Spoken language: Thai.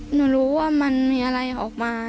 หนูรู้ว่ามันมีอะไรออกมา